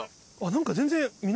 何か全然。